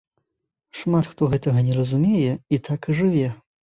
Шмат хто гэтага не разумее, і так і жыве.